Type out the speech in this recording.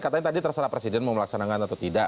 katanya tadi terserah presiden mau melaksanakan atau tidak